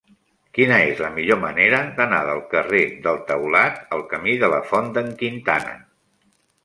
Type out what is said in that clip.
Quina és la millor manera d'anar del carrer del Taulat al camí de la Font d'en Quintana?